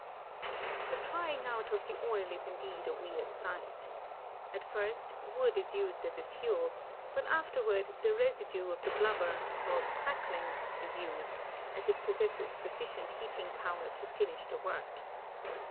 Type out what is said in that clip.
The trying out of the oil is indeed a weird sight. At first, wood is used as a fuel, but afterward the residue of the blubber, called cracklings, is used, as it possesses sufficient heating power to finish the work.